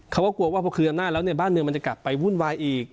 เขาว่ากลัวว่าน้ำหน้านะบ้านเมืองมันจะกลับไปวุ่นวายอีก